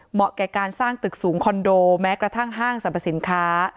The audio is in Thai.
แก่การสร้างตึกสูงคอนโดแม้กระทั่งห้างสรรพสินค้า